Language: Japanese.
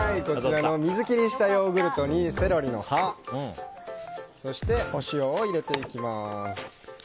水切りしたヨーグルトにセロリの葉そして、お塩を入れていきます。